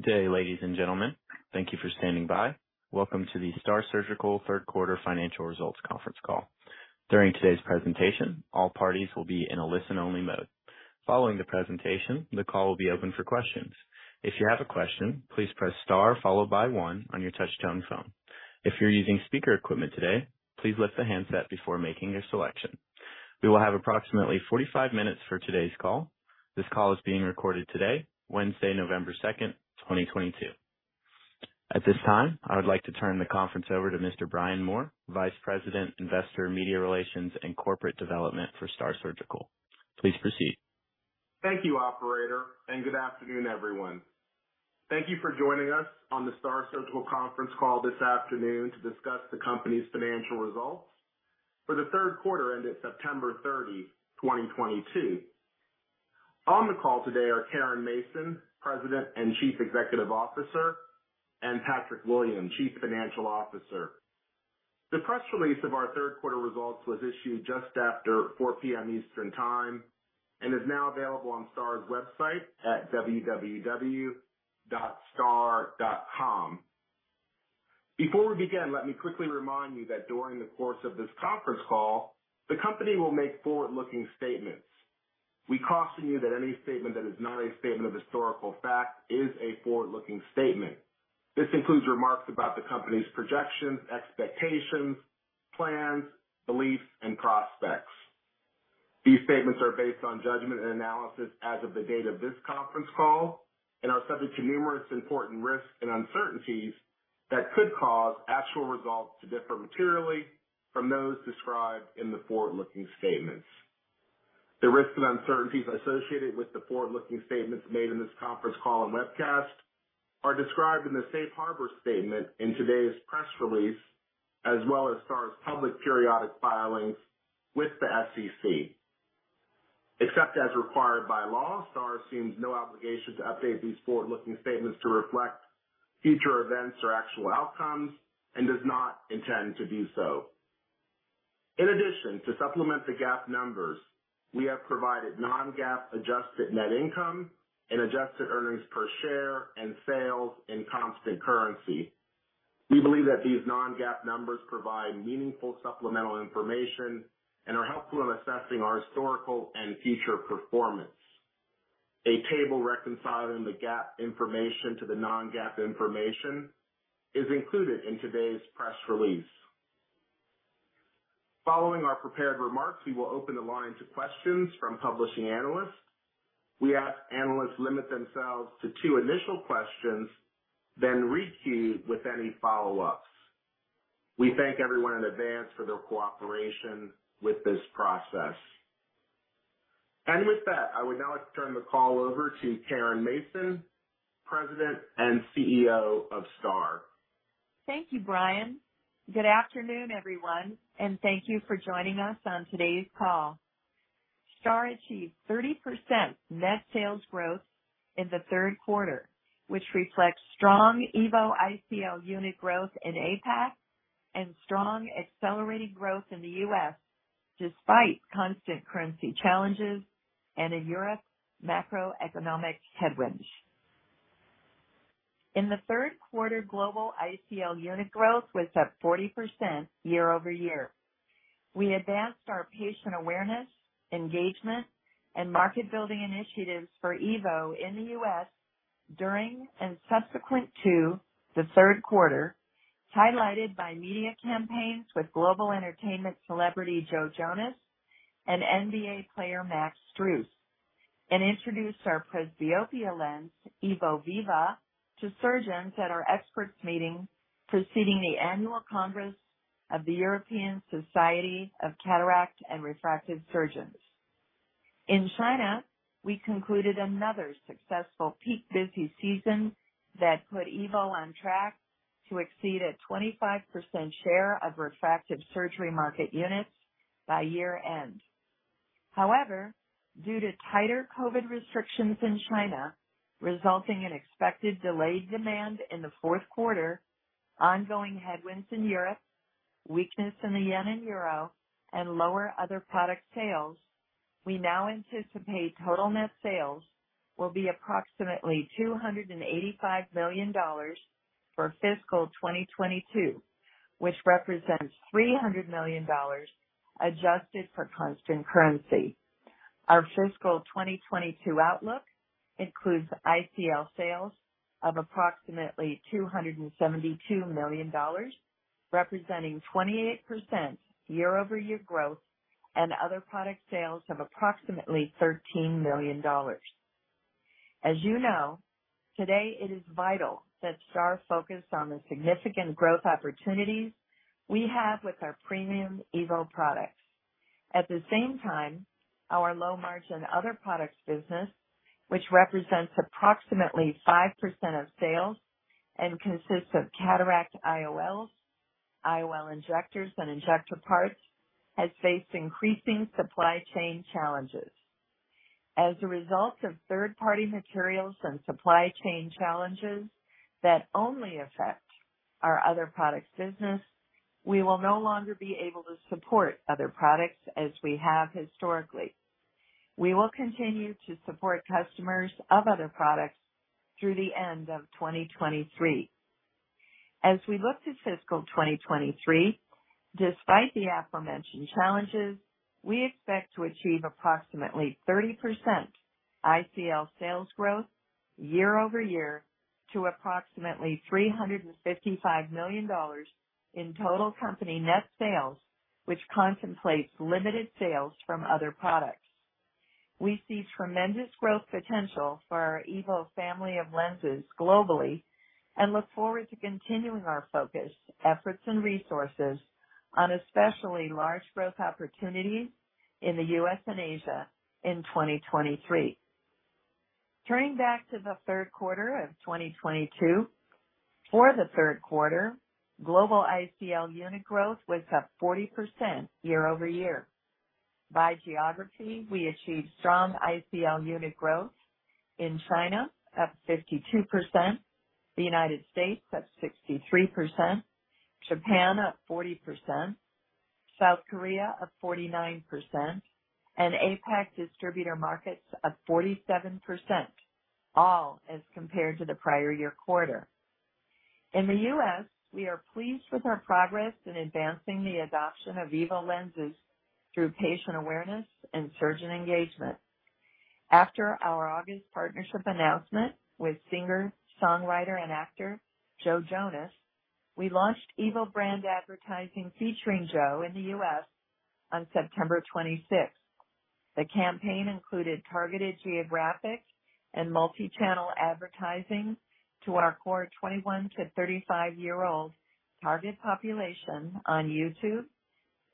Good day, ladies and gentlemen. Thank you for standing by. Welcome to the STAAR Surgical Q3 Financial Results Conference Call. During today's presentation, all parties will be in a listen-only mode. Following the presentation, the call will be open for questions. If you have a question, please press star followed by one on your touchtone phone. If you're using speaker equipment today, please lift the handset before making your selection. We will have approximately 45 minutes for today's call. This call is being recorded today, Wednesday, November 2, 2022. At this time, I would like to turn the conference over to Mr. Brian Moore, Vice President, Investor Media Relations and Corporate Development for STAAR Surgical. Please proceed. Thank you, operator, and good afternoon, everyone. Thank you for joining us on the STAAR Surgical Conference call this afternoon to discuss the company's financial results for the Q3 ended September 30, 2022. On the call today are Caren Mason, President and Chief Executive Officer, and Patrick Williams, Chief Financial Officer. The press release of our Q3 results was issued just after 4 p.m. Eastern Time and is now available on STAAR's website at www.staar.com. Before we begin, let me quickly remind you that during the course of this conference call, the company will make forward-looking statements. We caution you that any statement that is not a statement of historical fact is a forward-looking statement. This includes remarks about the company's projections, expectations, plans, beliefs, and prospects. These statements are based on judgment and analysis as of the date of this conference call and are subject to numerous important risks and uncertainties that could cause actual results to differ materially from those described in the forward-looking statements. The risks and uncertainties associated with the forward-looking statements made in this conference call and webcast are described in the safe harbor statement in today's press release, as well as STAAR's public periodic filings with the SEC. Except as required by law, STAAR assumes no obligation to update these forward-looking statements to reflect future events or actual outcomes and does not intend to do so. In addition, to supplement the GAAP numbers, we have provided non-GAAP adjusted net income and adjusted earnings per share and sales in constant currency. We believe that these non-GAAP numbers provide meaningful supplemental information and are helpful in assessing our historical and future performance. A table reconciling the GAAP information to the non-GAAP information is included in today's press release. Following our prepared remarks, we will open the line to questions from participating analysts. We ask analysts limit themselves to two initial questions, then re-queue with any follow-ups. We thank everyone in advance for their cooperation with this process. With that, I would now like to turn the call over to Caren Mason, President and CEO of STAAR. Thank you, Brian. Good afternoon, everyone, and thank you for joining us on today's call. STAAR achieved 30% net sales growth in the Q3, which reflects strong EVO ICL unit growth in APAC and strong accelerating growth in the U.S. despite constant currency challenges and a European macroeconomic headwind. In the Q3, global ICL unit growth was up 40% year-over-year. We advanced our patient awareness, engagement, and market building initiatives for EVO in the US during and subsequent to the Q3, highlighted by media campaigns with global entertainment celebrity Joe Jonas and NBA player Max Strus, and introduced our presbyopia lens, EVO Viva, to surgeons at our experts meeting preceding the annual congress of the European Society of Cataract and Refractive Surgeons. In China, we concluded another successful peak busy season that put EVO on track to exceed a 25% share of refractive surgery market units by year-end. However, due to tighter COVID-19 restrictions in China, resulting in expected delayed demand in the Q4, ongoing headwinds in Europe, weakness in the yen and euro, and lower other product sales, we now anticipate total net sales will be approximately $285 million for FY2022, which represents $300 million adjusted for constant currency. Our fiscal 2022 outlook includes ICL sales of approximately $272 million, representing 28% year-over-year growth and other product sales of approximately $13 million. As you know, today it is vital that STAAR focus on the significant growth opportunities we have with our premium EVO products. At the same time, our low-margin other products business, which represents approximately 5% of sales and consists of cataract IOLs, IOL injectors, and injector parts, has faced increasing supply chain challenges. As a result of third-party materials and supply chain challenges that only affect our other products business. We will no longer be able to support other products as we have historically. We will continue to support customers of other products through the end of 2023. As we look to FY2023, despite the aforementioned challenges, we expect to achieve approximately 30% ICL sales growth year-over-year to approximately $355 million in total company net sales, which contemplates limited sales from other products. We see tremendous growth potential for our EVO family of lenses globally and look forward to continuing our focus, efforts, and resources on especially large growth opportunities in the U.S. and Asia in 2023. Turning back to the Q3 2022. For the Q3, Global ICL unit growth was up 40% year-over-year. By geography, we achieved strong ICL unit growth in China up 52%, the United States up 63%, Japan up 40%, South Korea up 49%, and APAC distributor markets up 47%, all as compared to the prior year quarter. In the U.S., we are pleased with our progress in advancing the adoption of EVO lenses through patient awareness and surgeon engagement. After our August partnership announcement with singer, songwriter, and actor Joe Jonas, we launched EVO brand advertising featuring Joe in the U.S. on September 26. The campaign included targeted geographic and multi-channel advertising to our core 21- to 35-year-old target population on YouTube,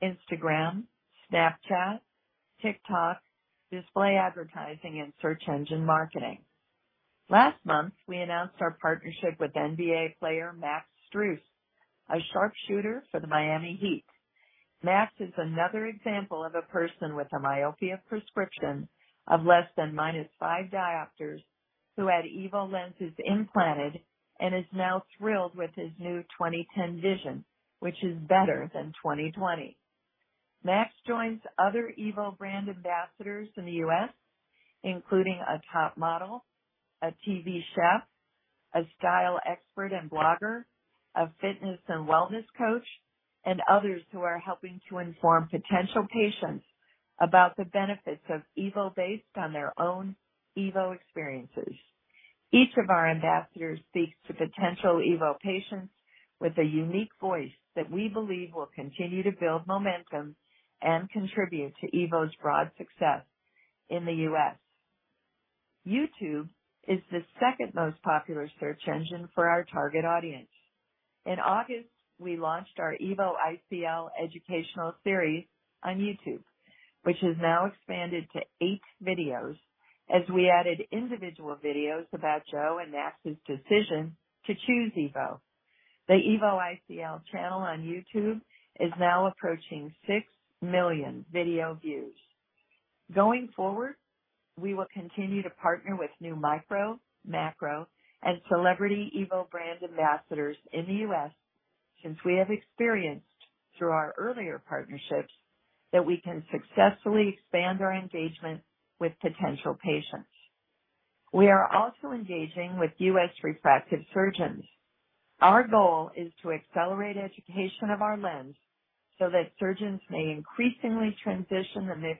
Instagram, Snapchat, TikTok, display advertising, and search engine marketing. Last month, we announced our partnership with NBA player Max Strus, a sharpshooter for the Miami Heat. Max is another example of a person with a myopia prescription of less than -5 diopters who had EVO lenses implanted and is now thrilled with his new 20/10 vision, which is better than 20/20. Max joins other EVO brand ambassadors in the U.S., including a top model, a TV chef, a style expert and blogger, a fitness and wellness coach, and others who are helping to inform potential patients about the benefits of EVO based on their own EVO experiences. Each of our ambassadors speaks to potential EVO patients with a unique voice that we believe will continue to build momentum and contribute to EVO's broad success in the U.S. YouTube is the second most popular search engine for our target audience. In August, we launched our EVO ICL educational series on YouTube, which has now expanded to eight videos as we added individual videos about Joe and Max's decision to choose EVO. The EVO ICL channel on YouTube is now approaching 6 million video views. Going forward, we will continue to partner with new micro, macro, and celebrity EVO brand ambassadors in the U.S. since we have experienced through our earlier partnerships that we can successfully expand our engagement with potential patients. We are also engaging with U.S. refractive surgeons. Our goal is to accelerate education of our lens so that surgeons may increasingly transition the mix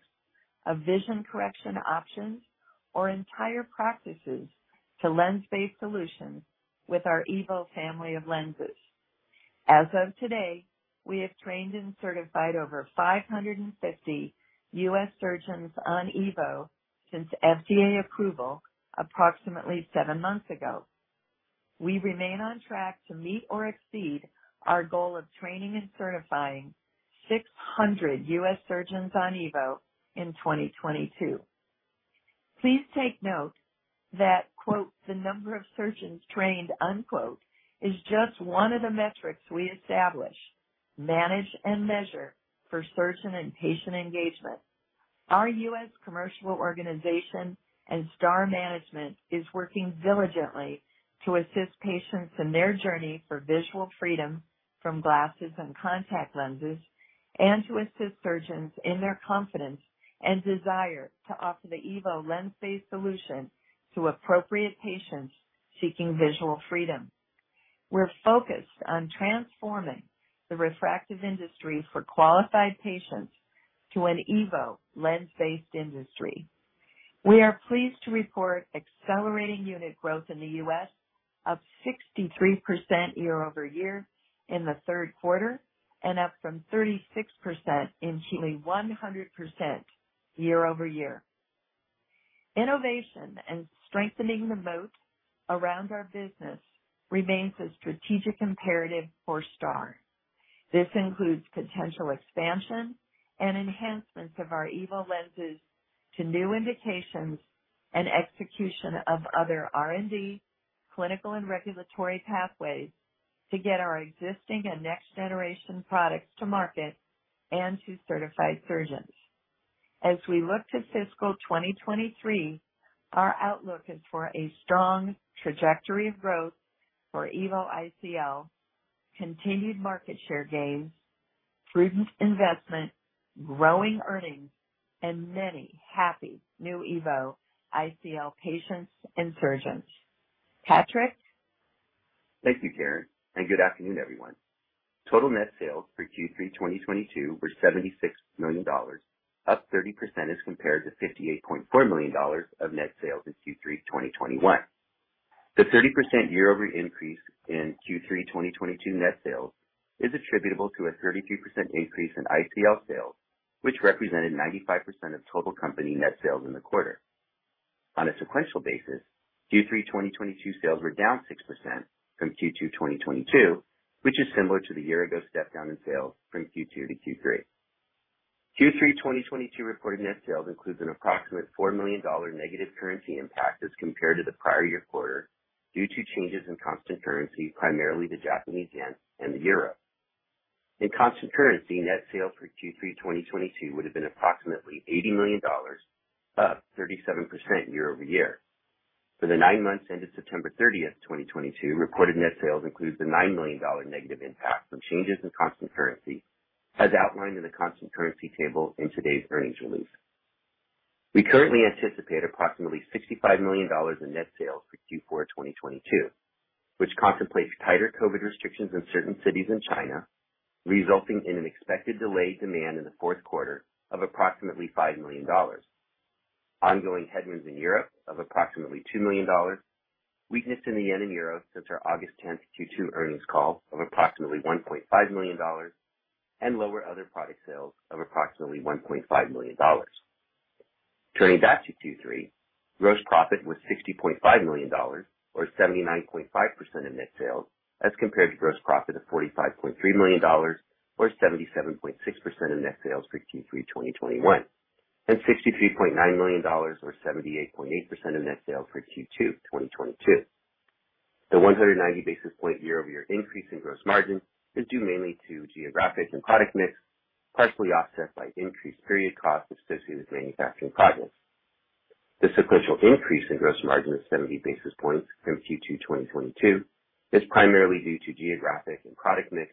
of vision correction options or entire practices to lens-based solutions with our EVO family of lenses. As of today, we have trained and certified over 550 U.S. surgeons on EVO since FDA approval approximately seven months ago. We remain on track to meet or exceed our goal of training and certifying 600 U.S. surgeons on EVO in 2022. Please take note that, "The number of surgeons trained," is just one of the metrics we establish, manage, and measure for surgeon and patient engagement. Our U.S. commercial organization and STAAR management is working diligently to assist patients in their journey for visual freedom from glasses and contact lenses, and to assist surgeons in their confidence and desire to offer the EVO lens-based solution to appropriate patients seeking visual freedom. We're focused on transforming the refractive industry for qualified patients to an EVO lens-based industry. We are pleased to report accelerating unit growth in the U.S. of 63% year-over-year in the Q3, and up from 36% one hundred percent year-over-year. Innovation and strengthening the moat around our business remains a strategic imperative for STAAR. This includes potential expansion and enhancements of our EVO lenses to new indications and execution of other R&D, clinical and regulatory pathways to get our existing and next-generation products to market and to certified surgeons. As we look to FY2023, our outlook is for a strong trajectory of growth for EVO ICL, continued market share gains, prudent investment, growing earnings and many happy new EVO ICL patients and surgeons. Patrick. Thank you, Caren, and good afternoon, everyone. Total net sales for Q3 2022 were $76 million, up 30% as compared to $58.4 million of net sales in Q3 2021. The 30% year-over-year increase in Q3 2022 net sales is attributable to a 32% increase in ICL sales, which represented 95% of total company net sales in the quarter. On a sequential basis, Q3 2022 sales were down 6% from Q2 2022, which is similar to the year ago step down in sales from Q2 to Q3. Q3 2022 reported net sales includes an approximate $4 million negative currency impact as compared to the prior year quarter, due to changes in constant currency, primarily the Japanese yen and the euro. In constant currency, net sales for Q3 2022 would have been approximately $80 million, up 37% year-over-year. For the nine months ended September 30, 2022, reported net sales includes the $9 million negative impact from changes in constant currency, as outlined in the constant currency table in today's earnings release. We currently anticipate approximately $65 million in net sales for Q4 2022, which contemplates tighter COVID-19 restrictions in certain cities in China, resulting in an expected delayed demand in the Q4 of approximately $5 million. Ongoing headwinds in Europe of approximately $2 million. Weakness in the yen and euro since our August 10 Q2 Earnings Call of approximately $1.5 million and lower other product sales of approximately $1.5 million. Turning back to Q3. Gross profit was $60.5 million or 79.5% of net sales, as compared to gross profit of $45.3 million or 77.6% of net sales for Q3 2021, and $63.9 million or 78.8% of net sales for Q2 2022. The 190 basis point year-over-year increase in gross margin is due mainly to geographic and product mix, partially offset by increased period costs associated with manufacturing projects. The sequential increase in gross margin of 70 basis points from Q2 2022 is primarily due to geographic and product mix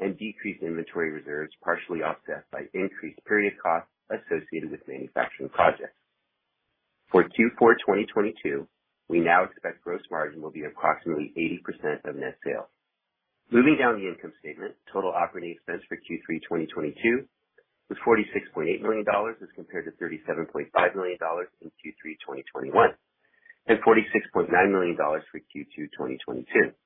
and decreased inventory reserves, partially offset by increased period costs associated with manufacturing projects. For Q4 2022, we now expect gross margin will be approximately 80% of net sales. Moving down the income statement. Total operating expense for Q3 2022 was $46.8 million as compared to $37.5 million in Q3 2021, and $46.9 million for Q2 2022.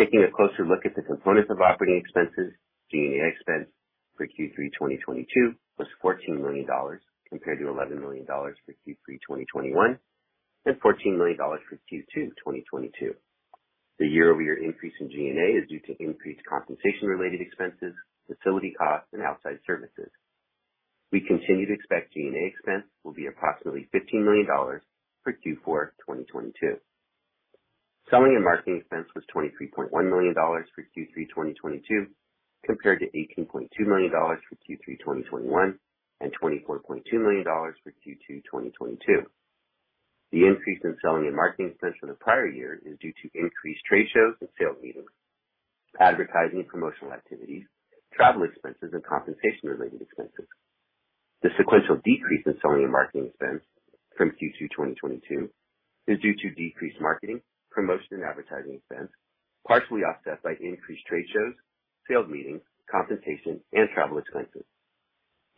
Taking a closer look at the components of operating expenses, G&A expense for Q3 2022 was $14 million as compared to $11 million for Q3 2021, and $14 million for Q2 2022. The year-over-year increase in G&A is due to increased compensation related expenses, facility costs, and outside services. We continue to expect G&A expense will be approximately $15 million for Q4 2022. Selling and marketing expense was $23.1 million for Q3 2022 compared to $18.2 million for Q3 2021 and $24.2 million for Q2 2022. The increase in selling and marketing expense from the prior year is due to increased trade shows and sales meetings, advertising and promotional activities, travel expenses and compensation related expenses. The sequential decrease in selling and marketing expense from Q2 2022 is due to decreased marketing, promotion and advertising expense, partially offset by increased trade shows, sales meetings, compensation and travel expenses.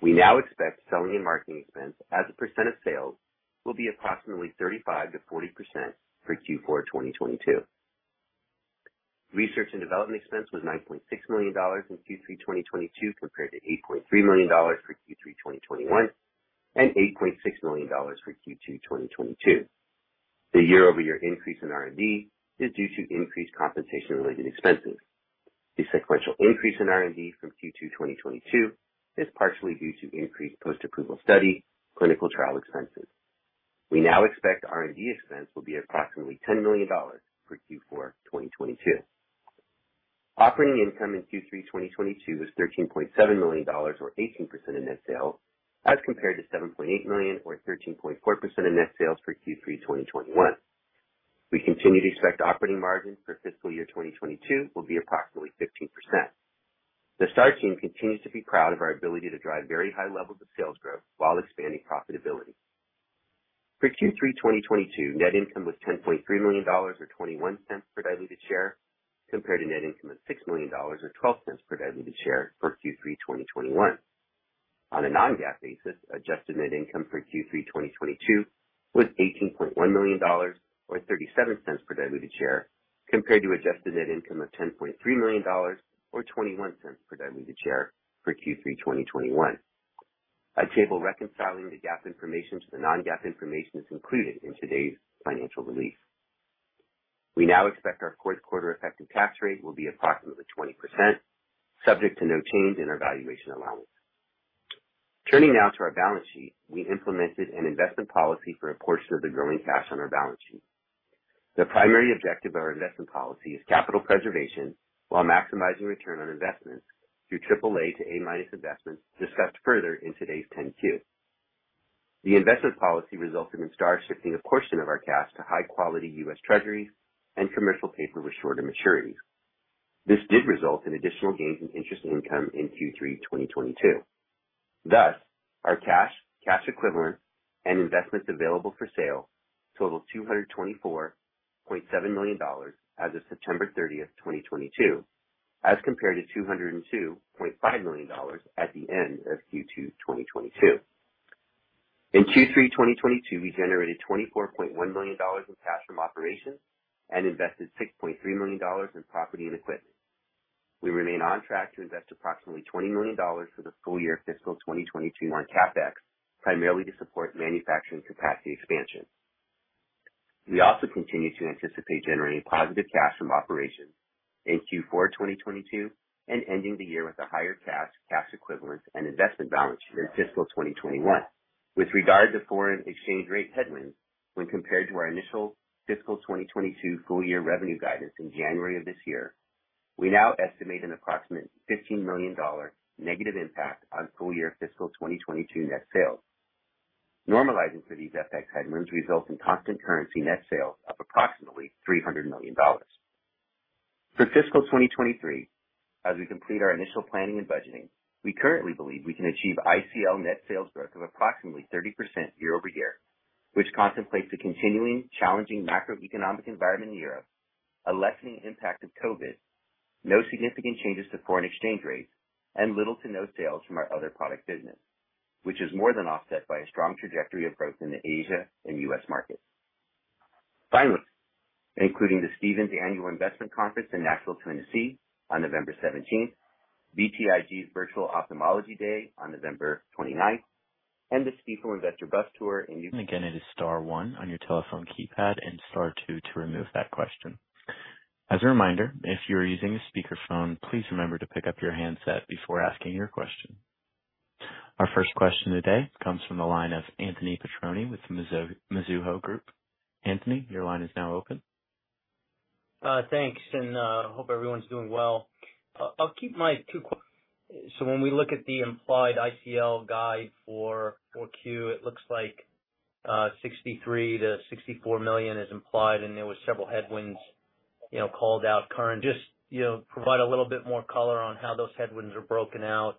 We now expect selling and marketing expense as a percent of sales will be approximately 35%-40% for Q4 2022. Research and development expense was $9.6 million in Q3 2022 compared to $8.3 million for Q3 2021, and $8.6 million for Q2 2022. The year-over-year increase in R&D is due to increased compensation related expenses. The sequential increase in R&D from Q2 2022 is partially due to increased post-approval study clinical trial expenses. We now expect R&D expense will be approximately $10 million for Q4 2022. Operating income in Q3 2022 was $13.7 million or 18% of net sales, as compared to $7.8 million or 13.4% of net sales for Q3 2021. We continue to expect operating margin for fiscal year 2022 will be approximately 15%. The STAAR team continues to be proud of our ability to drive very high levels of sales growth while expanding profitability. For Q3 2022, net income was $10.3 million or $0.21 per diluted share, compared to net income of $6 million or $0.12 per diluted share for Q3 2021. On a non-GAAP basis, adjusted net income for Q3 2022 was $18.1 million or 37 cents per diluted share, compared to adjusted net income of $10.3 million or 21 cents per diluted share for Q3 2021. A table reconciling the GAAP information to the non-GAAP information is included in today's financial release. We now expect our Q4 effective tax rate will be approximately 20%, subject to no change in our valuation allowance. Turning now to our balance sheet. We implemented an investment policy for a portion of the growing cash on our balance sheet. The primary objective of our investment policy is capital preservation while maximizing return on investment through triple-A to A-minus investments discussed further in today's Form 10-Q. The investment policy resulted in STAAR shifting a portion of our cash to high quality U.S. Treasuries and commercial paper with shorter maturities. This did result in additional gains in interest income in Q3 2022. Thus, our cash equivalents and investments available for sale totaled $224.7 million as of September 30, 2022, as compared to $202.5 million at the end of Q2 2022. In Q3 2022, we generated $24.1 million in cash from operations and invested $6.3 million in property and equipment. We remain on track to invest approximately $20 million for the full-year FY2022 on CapEx, primarily to support manufacturing capacity expansion. We also continue to anticipate generating positive cash from operations in Q4 2022 and ending the year with a higher cash equivalent and investment balance than FY2021. With regard to foreign exchange rate headwinds when compared to our initial FY2022 full-year revenue guidance in January of this year, we now estimate an approximate $15 million negative impact on full-year FY2022 net sales. Normalizing for these FX headwinds results in constant currency net sales up approximately $300 million. For FY2023, as we complete our initial planning and budgeting, we currently believe we can achieve ICL net sales growth of approximately 30% year-over-year, which contemplates the continuing challenging macroeconomic environment in Europe, a lessening impact of COVID-19, no significant changes to foreign exchange rates and little to no sales from our other product business, which is more than offset by a strong trajectory of growth in the Asia and U.S. markets. Finally, including the Stephens Annual Investment Conference in Nashville, Tennessee on November seventeenth, BTIG's Virtual Ophthalmology Day on November 29, and the Sidoti Investor Bus Tour in- Again, it is star one on your telephone keypad and star two to remove that question. As a reminder, if you are using a speakerphone, please remember to pick up your handset before asking your question. Our first question today comes from the line of Anthony Petrone with Mizuho Group. Anthony, your line is now open. When we look at the implied ICL guide for Q4, it looks like $63 million-$64 million is implied and there was several headwinds, you know, called out. Caren, just, you know, provide a little bit more color on how those headwinds are broken out.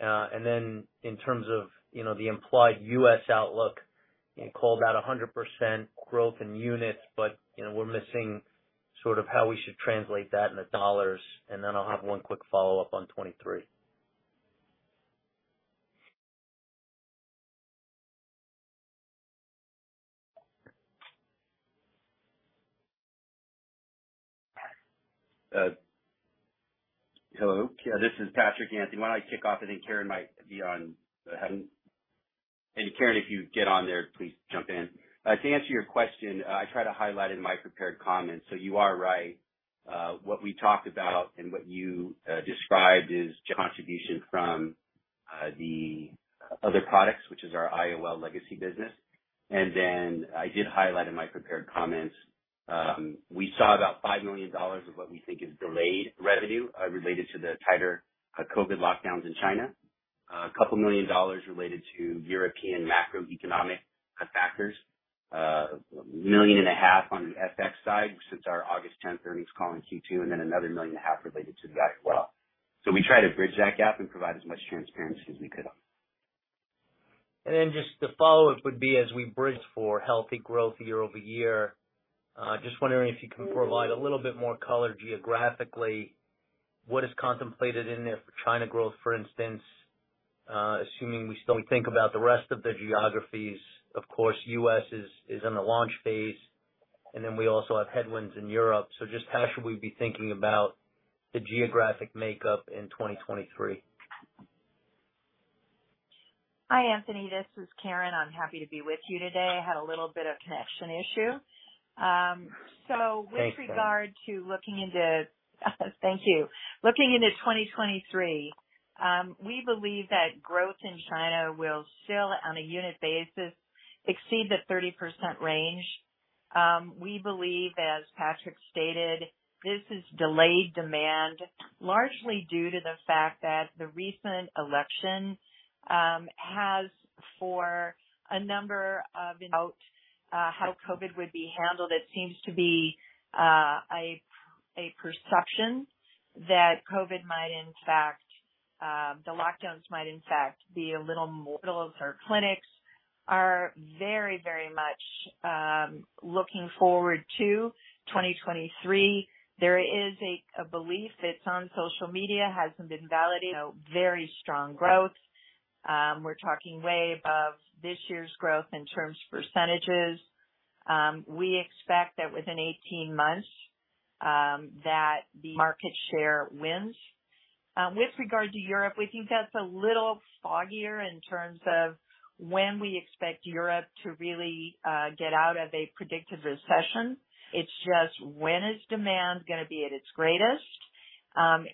In terms of, you know, the implied U.S. outlook, you called out 100% growth in units, but, you know, we're missing sort of how we should translate that into dollars. Then I'll have one quick follow-up on 2023. Hello, this is Patrick. Anthony. Why don't I kick off and then Caren might be on. Caren, if you get on there, please jump in. To answer your question, I try to highlight in my prepared comments. You are right. What we talked about and what you described is contribution from the other products, which is our IOL legacy business. Then I did highlight in my prepared comments. We saw about $5 million of what we think is delayed revenue related to the tighter COVID-19 lockdowns in China. $2 million related to European macroeconomic factors. $1.5 million on the FX side since our August 10 Earnings Call in Q2, and then another $1.5 million related to that as well. We try to bridge that gap and provide as much transparency as we could. Then just the follow-up would be, as we bridge for healthy growth year-over-year, just wondering if you can provide a little bit more color geographically, what is contemplated in there for China growth, for instance, assuming we still think about the rest of the geographies. Of course, U.S. is in the launch phase, we also have headwinds in Europe. Just how should we be thinking about the geographic makeup in 2023? Hi, Anthony Petrone. This is Caren. I'm happy to be with you today. I had a little bit of connection issue. So with regard to looking into 2023, we believe that growth in China will still, on a unit basis, exceed the 30% range. We believe, as Patrick Williams stated, this is delayed demand largely due to the fact that the recent election has, for a number of, you know, how COVID-19 would be handled. It seems to be a perception that COVID-19 might in fact, the lockdowns might in fact be a little more. Our clinics are very much looking forward to 2023. There is a belief, it's on social media, hasn't been validated, you know, very strong growth. We're talking way above this year's growth in terms of percentages. We expect that within 18 months, that the market share wins. With regard to Europe, we think that's a little foggier in terms of when we expect Europe to really get out of a predicted recession. It's just when is demand gonna be at its greatest?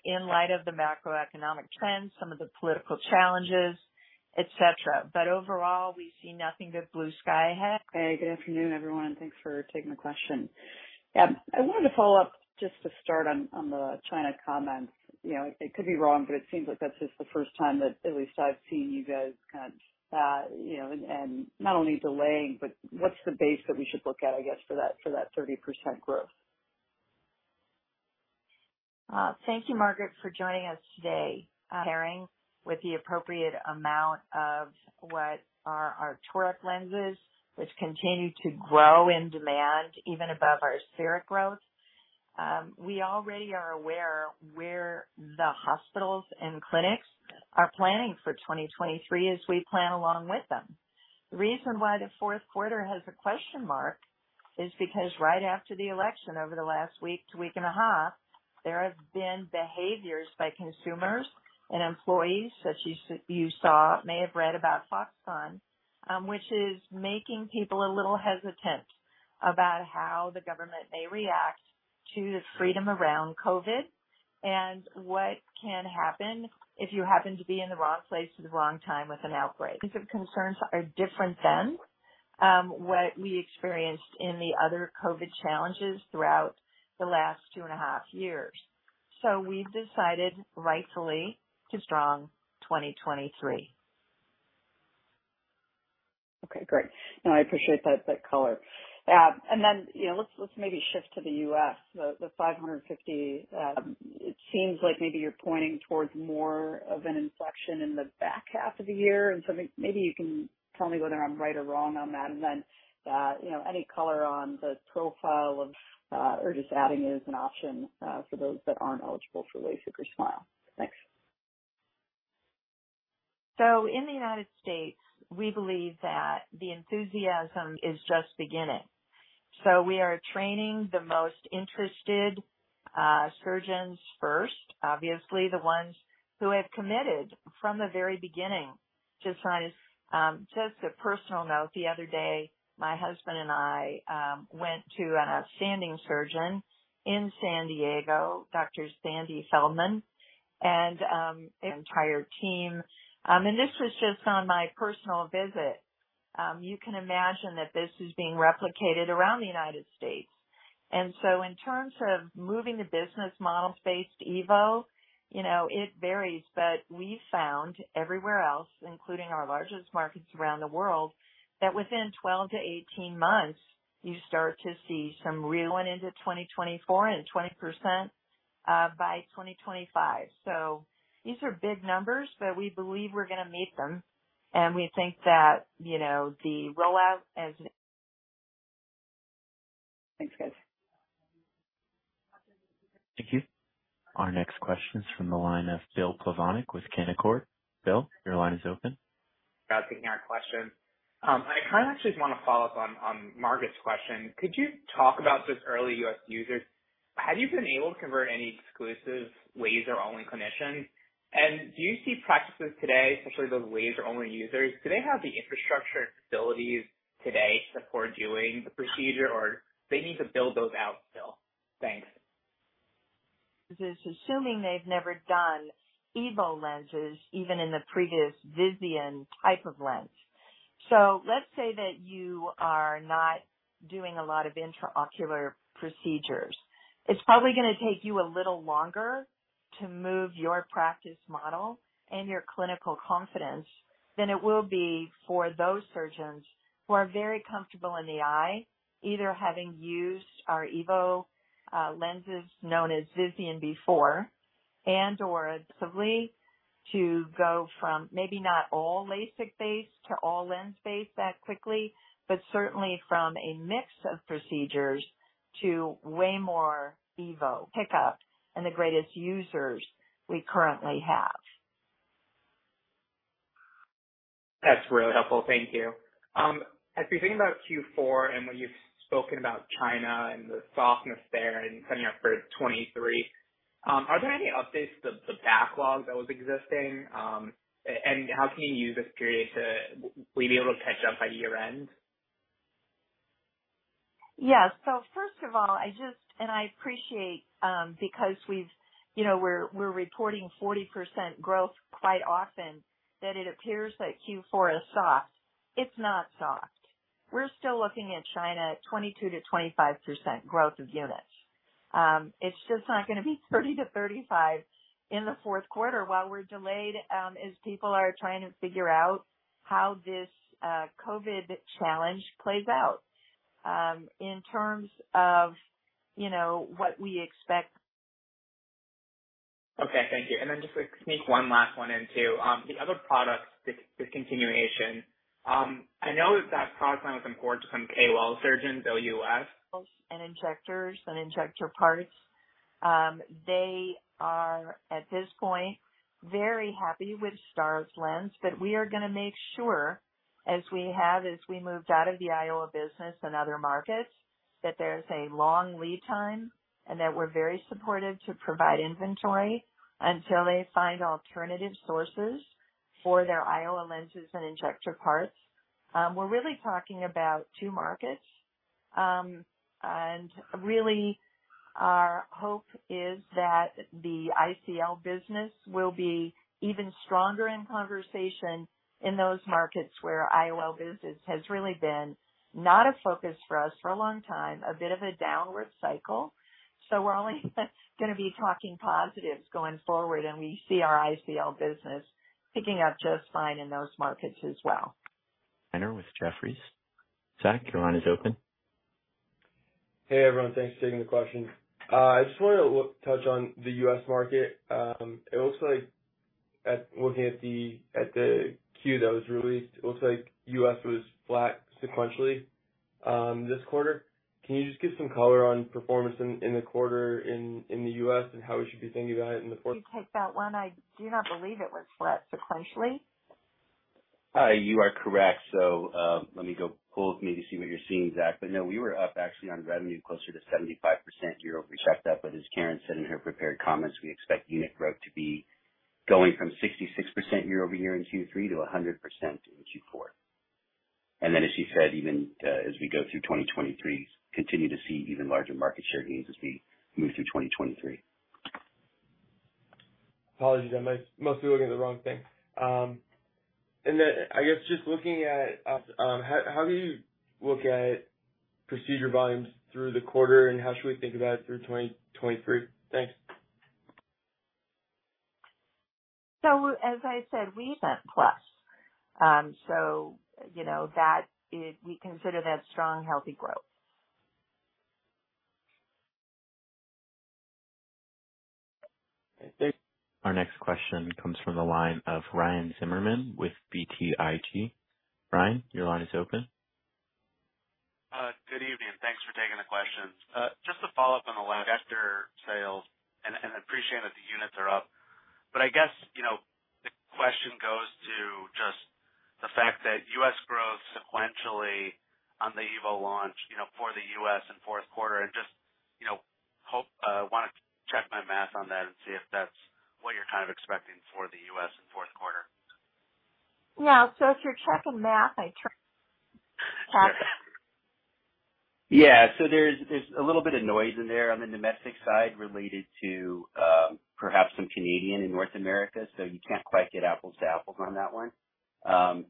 In light of the macroeconomic trends, some of the political challenges, et cetera. Overall, we see nothing but blue sky ahead. Hey, good afternoon, everyone, and thanks for taking the question. Yeah, I wanted to follow up just to start on the China comment. You know, it could be wrong, but it seems like that's just the first time that at least I've seen you guys kind of, you know, and not only delaying, but what's the base that we should look at, I guess, for that 30% growth? Thank you, Margaret, for joining us today. Sharing with the appropriate amount of what are our toric lenses, which continue to grow in demand even above our aspheric growth. We already are aware where the hospitals and clinics are planning for 2023 as we plan along with them. The reason why the Q4 has a question mark is because right after the election, over the last week or week and a half, there have been behaviors by consumers and employees, as you saw, may have read about Foxconn, which is making people a little hesitant about how the government may react to the freedom around COVID-19 and what can happen if you happen to be in the wrong place at the wrong time with an outbreak. Supply concerns are different than what we experienced in the other COVID-19 challenges throughout the last two and a half years. We decided, rightfully, to a strong 2023. Okay, great. No, I appreciate that color. You know, let's maybe shift to the U.S. The 550, it seems like maybe you're pointing towards more of an inflection in the back half of the year. Maybe you can tell me whether I'm right or wrong on that. You know, any color on the profile of or just adding it as an option for those that aren't eligible for LASIK or SMILE. Thanks. In the United States, we believe that the enthusiasm is just beginning. We are training the most interested surgeons first, obviously the ones who have committed from the very beginning to science. Just a personal note, the other day, my husband and I went to an outstanding surgeon in San Diego, Dr. Sandy Feldman, and the entire team, and this was just on my personal visit. You can imagine that this is being replicated around the United States. In terms of moving the business model based EVO, you know, it varies, but we found everywhere else, including our largest markets around the world, that within 12-18 months you start to see going into 2024 and 20%, by 2025. These are big numbers, but we believe we're gonna meet them, and we think that, you know, the rollout as- Thanks, guys. Thank you. Our next question is from the line of Bill Plovanic with Canaccord. Bill, your line is open. Thanks for taking our question. I kinda actually just wanna follow up on Margaret's question. Could you talk about the early U.S. users? Have you been able to convert any exclusive laser-only clinicians? Do you see practices today, especially those laser-only users, do they have the infrastructure and facilities today for doing the procedure, or they need to build those out still? Thanks. This is assuming they've never done EVO lenses, even in the previous Visian type of lens. Let's say that you are not doing a lot of intraocular procedures. It's probably gonna take you a little longer to move your practice model and your clinical confidence than it will be for those surgeons who are very comfortable in the eye, either having used our EVO, lenses known as Visian before and/or adaptively to go from maybe not all LASIK-based to all lens-based that quickly, but certainly from a mix of procedures to way more EVO pickup and the greatest users we currently have. That's really helpful. Thank you. As we think about Q4 and when you've spoken about China and the softness there and setting up for 2023, are there any updates to the backlog that was existing? And will you be able to catch up by year-end? I appreciate because we've, you know, we're reporting 40% growth quite often that it appears that Q4 is soft. It's not soft. We're still looking at China at 22%-25% growth of units. It's just not gonna be 30%-35% in the Q4 while we're delayed as people are trying to figure out how this COVID-19 challenge plays out. In terms of, you know, what we expect. Okay, thank you. Just to sneak one last one in too. The other product discontinuation. I know that product line was important to some KOL surgeons in the U.S. Injectors and injector parts. They are at this point very happy with STAAR's lens, but we are gonna make sure, as we moved out of the IOL business and other markets, that there's a long lead time and that we're very supportive to provide inventory until they find alternative sources for their IOL lenses and injector parts. We're really talking about two markets. Really our hope is that the ICL business will be even stronger in conversation in those markets where IOL business has really been not a focus for us for a long time, a bit of a downward cycle. We're only gonna be talking positives going forward, and we see our ICL business picking up just fine in those markets as well. With Jefferies. Zach, your line is open. Hey, everyone. Thanks for taking the question. I just wanted to touch on the U.S. market. It looks like, looking at the Q that was released, it looks like U.S. was flat sequentially this quarter. Can you just give some color on performance in the quarter in the U.S. and how we should be thinking about it in the fourth- Can I take that one? I do not believe it was flat sequentially. You are correct. Let me go pull maybe to see what you're seeing, Zach. No, we were up actually on revenue closer to 75% year-over-year. As Karen said in her prepared comments, we expect unit growth to be going from 66% year-over-year in Q3 to 100% in Q4. Then as she said, even as we go through 2023, continue to see even larger market share gains as we move through 2023. Apologies. I'm mostly looking at the wrong thing. I guess, just looking at how do you look at procedure volumes through the quarter, and how should we think about it through 2023? Thanks. As I said, we went plus. You know, that is, we consider that strong, healthy growth. Thank you. Our next question comes from the line of Ryan Zimmerman with BTIG. Ryan, your line is open. Good evening. Thanks for taking the questions. Just to follow up on the last after sales, and I appreciate that the units are up. I guess, you know, the question goes to just the fact that U.S. growth sequentially on the EVO launch, you know, for the U.S. in Q4 and just, you know, wanna check my math on that and see if that's what you're kind of expecting for the U.S. in Q4. Yeah. If you're checking math, Patrick. Yeah. There's a little bit of noise in there on the domestic side related to perhaps some Canada and North America, so you can't quite get apples to apples on that one.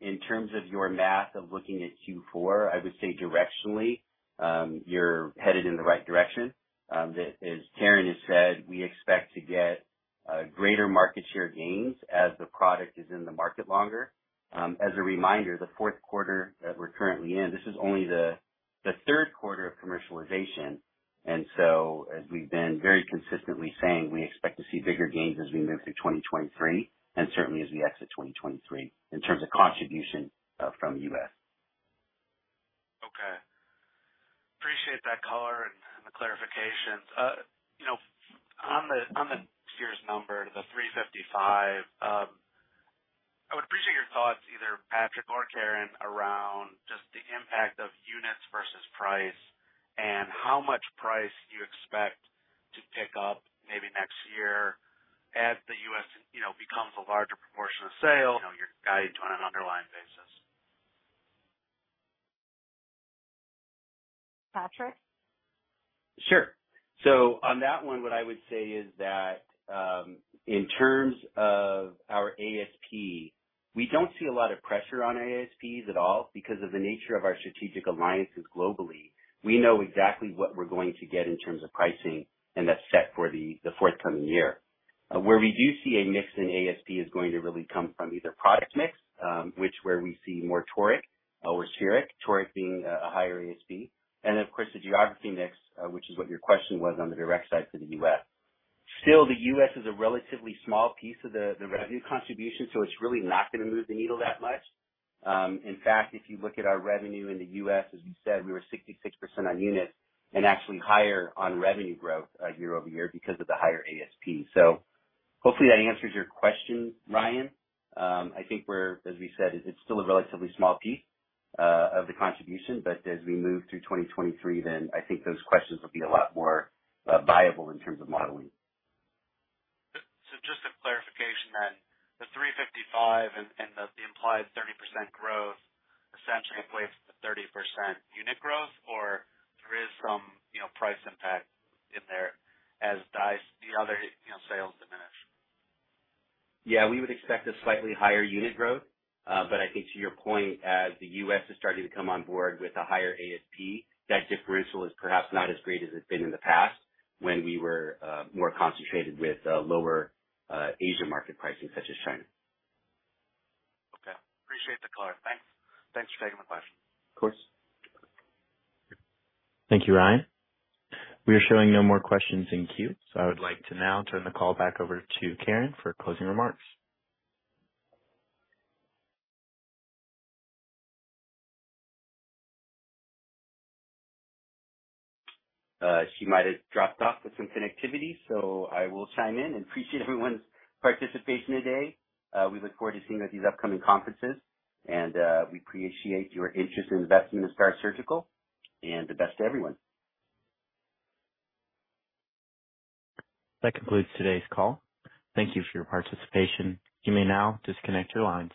In terms of your math of looking at Q4, I would say directionally, you're headed in the right direction. As Caren has said, we expect to get greater market share gains as the product is in the market longer. As a reminder, the Q4 that we're currently in, this is only the Q3 of commercialization. We've been very consistently saying, we expect to see bigger gains as we move through 2023, and certainly as we exit 2023 in terms of contribution from U.S. Appreciate that color and the clarifications. You know, on the next year's number, the 355, I would appreciate your thoughts, either Patrick or Caren, around just the impact of units versus price and how much price you expect to pick up maybe next year as the U.S., you know, becomes a larger proportion of sales, you know, your guide on an underlying basis. Patrick? Sure. On that one, what I would say is that, in terms of our ASP, we don't see a lot of pressure on ASPs at all because of the nature of our strategic alliances globally. We know exactly what we're going to get in terms of pricing, and that's set for the forthcoming year. Where we do see a mix in ASP is going to really come from either product mix, where we see more toric or spheric, toric being a higher ASP. Of course, the geography mix, which is what your question was on the direct side for the U.S. Still, the U.S. is a relatively small piece of the revenue contribution, so it's really not gonna move the needle that much. In fact, if you look at our revenue in the U.S., as you said, we were 66% on units and actually higher on revenue growth year-over-year because of the higher ASP. Hopefully that answers your question, Ryan. I think we're, as we said, it's still a relatively small piece of the contribution, but as we move through 2023, then I think those questions will be a lot more viable in terms of modeling. Just a clarification then. The 355 and the implied 30% growth essentially equates to the 30% unit growth, or there is some, you know, price impact in there as the other, you know, sales diminish? Yeah, we would expect a slightly higher unit growth. I think to your point, as the U.S. is starting to come on board with a higher ASP, that differential is perhaps not as great as it's been in the past when we were more concentrated with lower Asian market pricing, such as China. Okay. Appreciate the color. Thanks. Thanks for taking the question. Of course. Thank you, Ryan. We are showing no more questions in queue. I would like to now turn the call back over to Caren for closing remarks. She might have dropped off with some connectivity, so I will chime in. Appreciate everyone's participation today. We look forward to seeing you at these upcoming conferences. We appreciate your interest in investing in STAAR Surgical. The best to everyone. That concludes today's call. Thank you for your participation. You may now disconnect your lines.